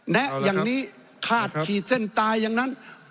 แนะอย่างนี้คาดขีดเส้นตายอย่างนั้น